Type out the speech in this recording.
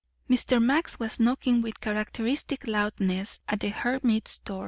Mr. Max was knocking with characteristic loudness at the hermit's door.